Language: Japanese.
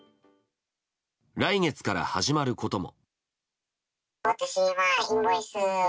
来月から始まることも。